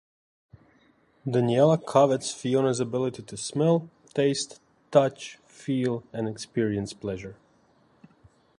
Daniella covets Fiona's ability to smell, taste, touch, feel, and experience pleasure.